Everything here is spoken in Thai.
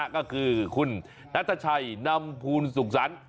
ก็คือคุณนัฏชัยนัมภูณสุขสัน